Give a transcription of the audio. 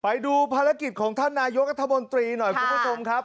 ไปดูภารกิจของท่านนายกัธมนตรีหน่อยคุณผู้ชมครับ